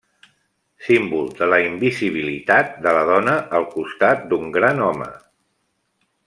Símbol de la invisibilitat de la dona al costat d’un gran home.